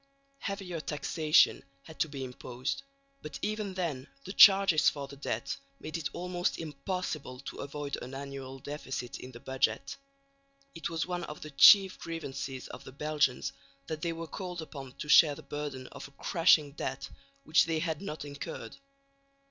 Heavier taxation had to be imposed, but even then the charges for the debt made it almost impossible to avoid an annual deficit in the budget. It was one of the chief grievances of the Belgians that they were called upon to share the burden of a crushing debt which they had not incurred.